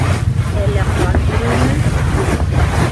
Әллә ҡан биреүме?